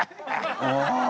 ああ！